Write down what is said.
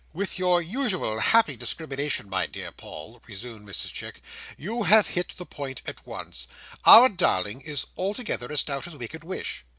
"With your usual happy discrimination, my dear Paul," resumed Mrs Chick, "you have hit the point at once. Our darling is altogether as stout as we could wish.